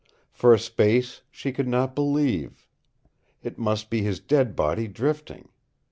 For a space she could not believe. It must be his dead body drifting.